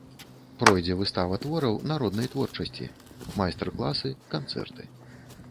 Пройдзе выстава твораў народнай творчасці, майстар-класы, канцэрты.